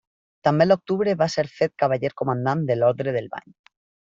També a l'octubre va ser fet Cavaller Comandant de l'orde del Bany.